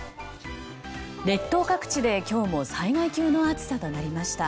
列島各地で今日も災害級の暑さとなりました。